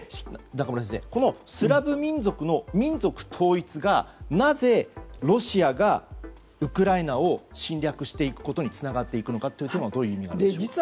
このスラブ民族の民族統一がなぜロシアがウクライナを侵略していくことにつながっていくのかはどういうところなんでしょうか。